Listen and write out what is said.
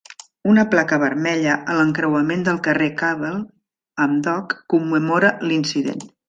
Una placa vermella a l'encreuament del carrer Cable amb Dock commemora l'incident.